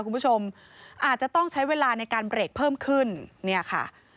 คุณผู้ชมอาจจะต้องใช้เวลาในการเบรกเพิ่มขึ้นเนี่ยค่ะ